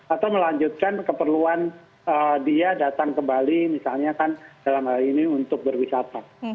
atau melanjutkan keperluan dia datang ke bali misalnya kan dalam hal ini untuk berwisata